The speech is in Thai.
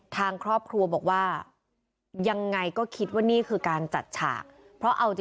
ทางครอบครัวบอกว่ายังไงก็คิดว่านี่คือการจัดฉาก